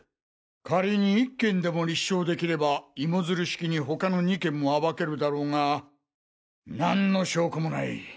仮に１件でも立証できればイモヅル式に他の２件も暴けるだろうが何の証拠もない。